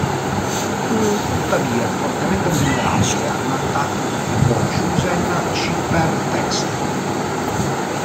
Tuttavia, è fortemente vulnerabile ad un attacco di tipo "chosen cipher-text".